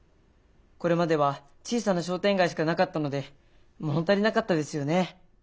これまでは小さな商店街しかなかったので物足りなかったですよね。